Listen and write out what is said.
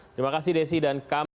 terima kasih desi dan kam